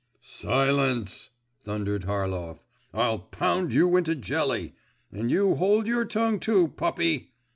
'Silence!' thundered Harlov. 'I'll pound you into a jelly! And you hold your tongue too, puppy!